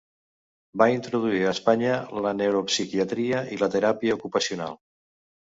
Va introduir a Espanya la neuropsiquiatria i la teràpia ocupacional.